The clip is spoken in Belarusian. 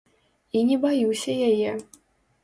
І не баюся яе.